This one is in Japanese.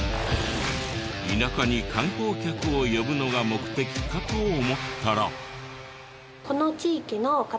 田舎に観光客を呼ぶのが目的かと思ったら。